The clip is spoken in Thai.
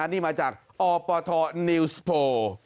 นี่มาจากอปทนิวส์โพล